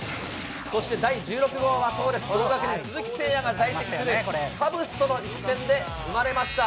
そして第１６号は、そうです、同学年、鈴木誠也が在籍するカブスとの一戦で生まれました。